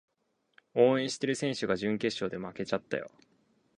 応援してる選手が準決勝で負けちゃったよ